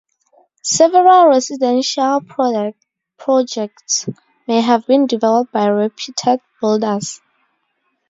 Several residential projects have been developed by reputed builders.